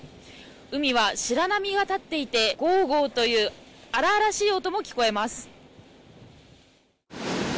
海は、白波が立っていてゴーゴーという荒々しい音も聞こえます。